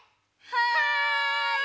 はい！